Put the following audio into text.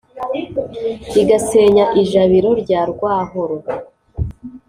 igasenya i jabiro rya rwahoro.